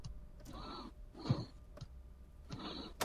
ډېوې!! که ته دې يوه کار د کولو اراده وکړي؟